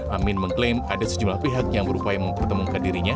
amin mengklaim ada sejumlah pihak yang berupaya mempertemukan dirinya